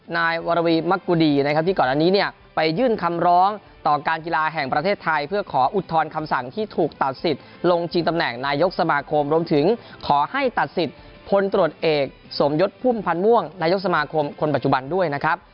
นายวรวีมะกุดีนะครับที่ก่อนอันนี้เนี่ยไปยื่นคำร้องต่อการกีฬาแห่งประเทศไทยเพื่อขออุทธรณ์คำสั่งที่ถูกตัดสิทธิ์ลงชิงตำแหน่งนายกสมาคมรวมถึงขอให้ตัดสิทธิ์พลตรวจเอกสมยศพุ่มพันธ์ม่วงนายกสมาคมคนปัจจุบันด้วยนะครับ